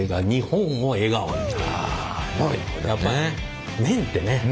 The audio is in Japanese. やっぱ麺ってね